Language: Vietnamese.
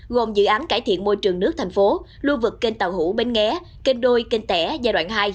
gồm dự án cải thiện môi trường nước thành phố lưu vực kênh tàu hủ bến nghé kênh đôi kênh tẻ giai đoạn hai